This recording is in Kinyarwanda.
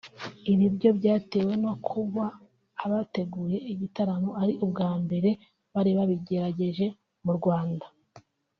Ibi byose byatewe no kuba abateguye igitaramo ari ubwa mbere bari babigerageje mu Rwanda